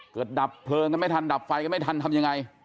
ดับเพลิงกันไม่ทันดับไฟกันไม่ทันทำยังไง